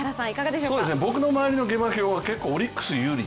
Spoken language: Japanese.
僕の周りの下馬評では結構、オリックス有利。